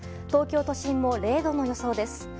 東京都心も０度の予想です。